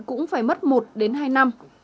cũng phải mất một đến hai năm